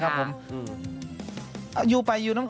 เพราะว่าใจแอบในเจ้า